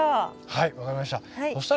はい分かりました。